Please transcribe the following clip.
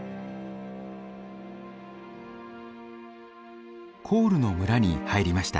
コールの村に入りました。